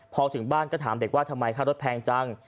พอถึงบ้านก็ถามเด็กว่าทำไมค่ารถแพงจัง